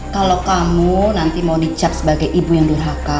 kalau kamu nanti mohon dicapi sebagai ibu yang durhaka